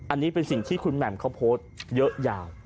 อันนี้เป็นสิ่งที่คุณแหม่มเขาโพสต์เยอะยาว